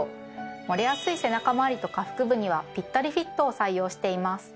漏れやすい背中周りと下腹部にはぴったりフィットを採用しています。